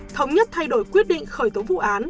thống nhất thay đổi quyết định khởi tố vụ án